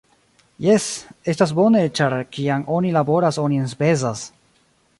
Jes, estas bone ĉar kiam oni laboras oni enspezas